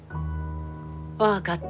分かった。